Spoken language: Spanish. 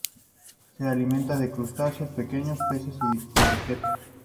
Se alimenta de crustáceos, pequeños peces y de poliquetos.